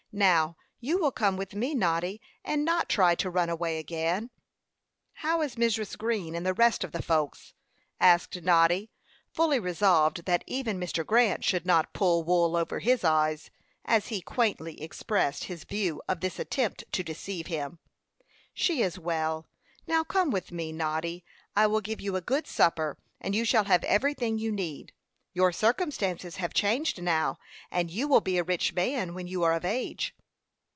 "Now, you will come with me, Noddy, and not try to run away again." "How is Mrs. Green and the rest of the folks?" asked Noddy, fully resolved that even Mr. Grant should not "pull wool over his eyes," as he quaintly expressed his view of this attempt to deceive him. "She is well. Now come with me, Noddy. I will give you a good supper, and you shall have everything you need. Your circumstances have changed now, and you will be a rich man when you are of age."